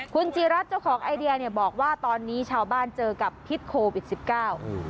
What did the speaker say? คุณจีรัฐเจ้าของไอเดียเนี่ยบอกว่าตอนนี้ชาวบ้านเจอกับพิษโควิดสิบเก้าอืม